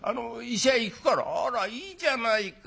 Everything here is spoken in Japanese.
「あらいいじゃないか。